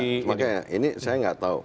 saya nggak makanya ini saya nggak tahu